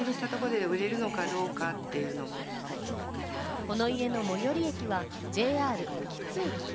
この家の最寄り駅はＪＲ興津駅。